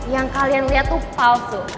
yang kalian lihat tuh palsu